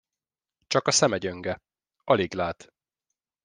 Csak a szeme gyönge, alig lát.